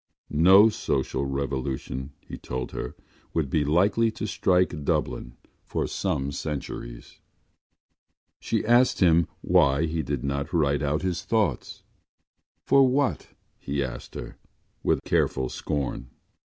No social revolution, he told her, would be likely to strike Dublin for some centuries. She asked him why did he not write out his thoughts. For what, he asked her, with careful scorn.